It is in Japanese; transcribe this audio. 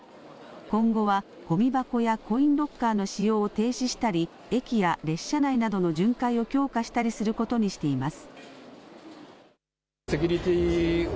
今後はごみ箱やコインロッカーの使用を停止したり駅や列車内などの巡回を強化したりすることにしています。